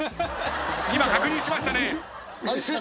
今確認しましたね。